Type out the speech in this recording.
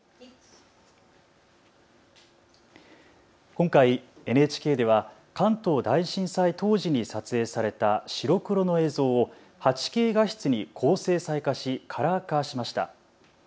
今回、ＮＨＫでは関東大震災当時に撮影された白黒の映像を８Ｋ画質に高精細化しカラー化しました。